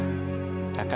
biasa yang kakak umat